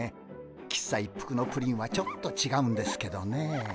喫茶一服のプリンはちょっとちがうんですけどねえ。